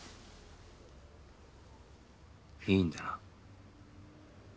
いいんだな？